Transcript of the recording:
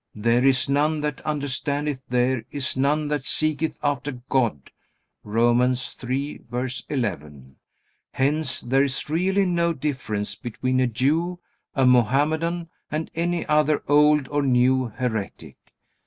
"There is none that understandeth, there is none that seeketh after God." (Romans 3:11.) Hence, there is really no difference between a Jew, a Mohammedan, and any other old or new heretic.